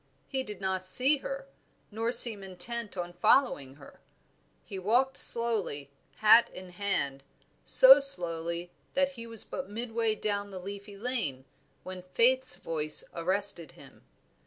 He did not see her, nor seem intent on following her; he walked slowly, hat in hand, so slowly that he was but midway down the leafy lane when Faith's voice arrested him.